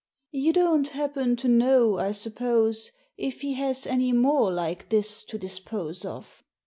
" You don't happen to know, I suppose, if he has any more like this to dispose of?